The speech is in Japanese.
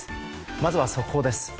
まずは速報です。